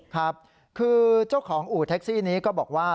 ครับคือเจ้าของอู่แท็กซี่นี้ก็บอกว่า